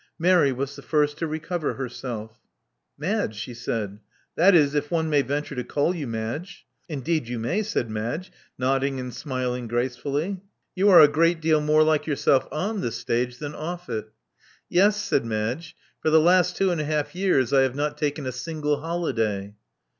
Mary was the first to recover herself. Madge," she said: — '*that is, if one may venture to call you Madge." Indeed you may, " said Madge, nodding and smiling gracefully. Love Among the Artists 251 Yoti are a great deal more like yourself on the stage than off it." "Yes,"Baid Madge. "For the last two and a half years, I have not taken a single holiday."